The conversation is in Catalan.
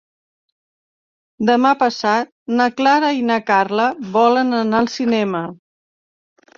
Demà passat na Clara i na Carla volen anar al cinema.